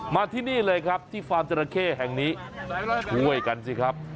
มาที่นี่เลยครับที่ฟาร์มจราเข้แห่งนี้ช่วยกันสิครับ